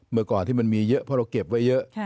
เมื่อก่อนที่มันมีเยอะเพราะเราเก็บไว้เยอะ